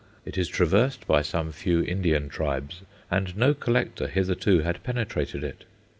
It is traversed by some few Indian tribes, and no collector hitherto had penetrated it.